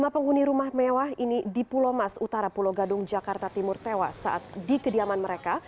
lima penghuni rumah mewah ini di pulau mas utara pulau gadung jakarta timur tewas saat di kediaman mereka